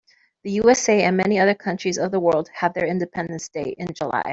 The USA and many other countries of the world have their independence day in July.